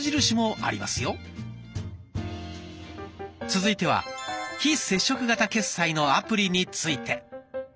続いては「非接触型決済」のアプリについて。